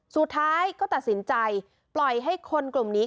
สุดท้ายก็ตัดสินใจปล่อยให้คนกลุ่มนี้